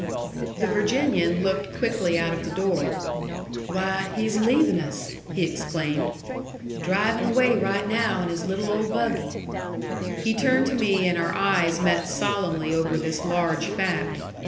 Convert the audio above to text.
The Virginian looked quickly out of the door. "Why, he's leavin' us!" he exclaimed. "Drivin' away right now in his little old buggy!" He turned to me, and our eyes met solemnly over this large fact.